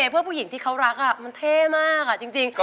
น้องพ่อสิให้นำบอก